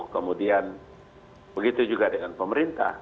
kemudian begitu juga dengan pemerintah